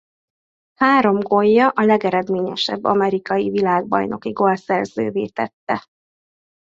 Három gólja a legeredményesebb amerikai világbajnoki gólszerzővé tette.